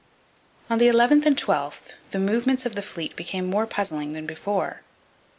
On the 11th and 12th the movements of the fleet became more puzzling than before.